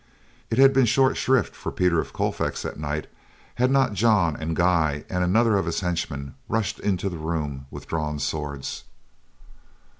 It had been short shrift for Peter of Colfax that night had not John and Guy and another of his henchmen rushed into the room with drawn swords.